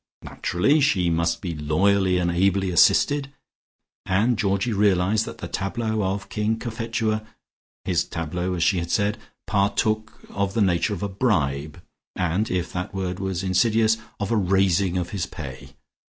Naturally she must be loyally and ably assisted, and Georgie realized that the tableau of King Cophetua (his tableau as she had said) partook of the nature of a bribe, and, if that word was invidious, of a raising of his pay.